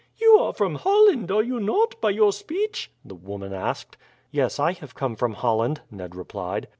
"You are from Holland, are you not, by your speech?" the woman asked. "Yes; I have come from Holland," Ned replied.